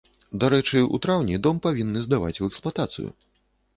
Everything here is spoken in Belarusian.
Дарэчы, у траўні дом павінны здаваць у эксплуатацыю.